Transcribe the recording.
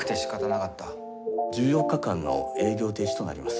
１４日間の営業停止となります。